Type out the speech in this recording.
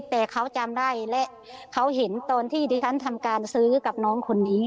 แต่เขาจำได้และเขาเห็นตอนที่ดิฉันทำการซื้อกับน้องคนนี้